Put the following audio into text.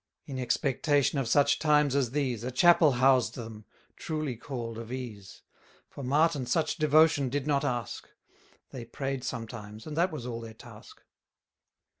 In expectation of such times as these, A chapel housed them, truly call'd of ease: 540 For Martin much devotion did not ask: They pray'd sometimes, and that was all their task.